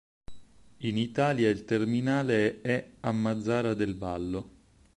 In Italia il "terminale" è a Mazara del Vallo.